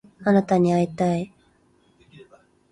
あなたに会いたい